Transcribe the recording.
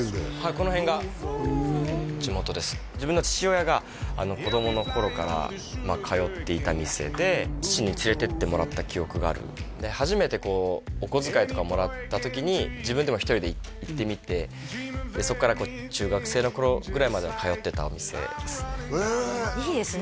この辺が地元です自分の父親が子供の頃から通っていた店で父に連れていってもらった記憶があるで初めてこうお小遣いとかもらった時に自分でも１人で行ってみてそっからこう中学生の頃ぐらいまでは通ってたお店ですねへえいいですね